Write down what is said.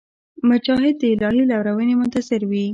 مجاهد د الهي لورینې منتظر وي.